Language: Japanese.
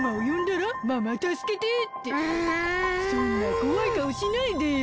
そんなこわいかおしないでよ。